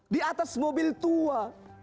di atas mobil tua